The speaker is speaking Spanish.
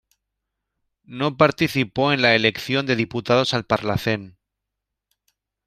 No participó en la elección de diputados al Parlacen.